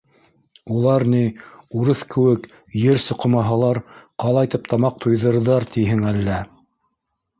Улар ни, урыҫ кеүек, ер соҡомаһалар, ҡалайтып тамаҡ туйҙырырҙар, тиһең әллә...